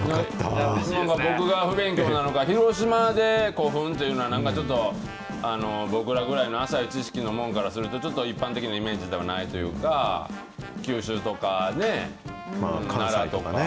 僕が不勉強なのか、広島で古墳っていうのは、なんかちょっと、僕らぐらいの浅い知識の者からすると、ちょっと一般的なイメージではないというか、九州とかね、奈良とか。